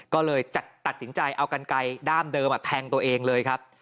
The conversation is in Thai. ก็เลยตัดสินใจเอากันไกลด้ามเดิมแทงตัวเองเลยครับ